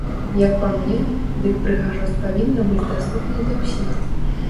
Як па мне, дык прыгажосць павінна быць даступнай для ўсіх.